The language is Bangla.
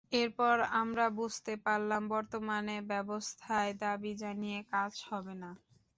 এরপর আমরা বুঝতে পারলাম, বর্তমান ব্যবস্থায় দাবি জানিয়ে কাজ হবে না।